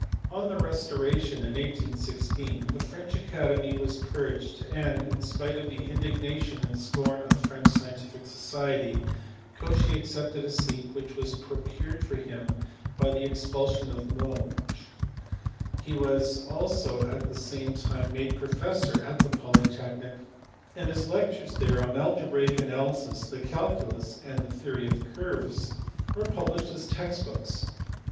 On the restoration in 1816 the French Academy was purged, and, in spite of the indignation and scorn of French scientific society, Cauchy accepted a seat which was procured for him by the expulsion of Monge. He was also at the same time made professor at the Polytechnic; and his lectures there on algebraic analysis, the calculus, and the theory of curves were published as text books.